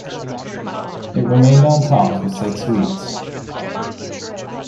It remained on top for six weeks.